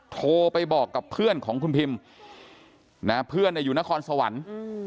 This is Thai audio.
โทรไปบอกกับเพื่อนของคุณพิมนะเพื่อนอยู่นครสวรรค์